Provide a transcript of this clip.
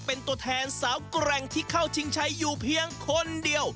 เป็นตัวแทนสาวแกร่งที่เข้าชิงชัยอยู่เพียงคนเดียว